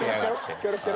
キョロキョロ。